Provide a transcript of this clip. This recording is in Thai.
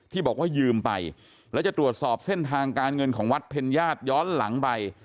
บอกว่ายืมไปแล้วจะตรวจสอบเส้นทางการเงินของวัดเพ็ญญาติย้อนหลังไป